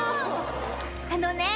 あのね